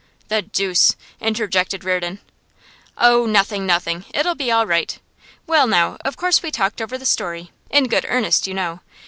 'The deuce!' interjected Reardon. 'Oh, nothing, nothing! It'll be all right. Well, now, of course we talked over the story in good earnest, you know.